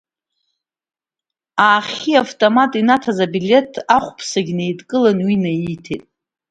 Аахьхьи автомат инаҭаз аблеҭгьы ахәԥсагьы неидкыланы уи инаииҭеит.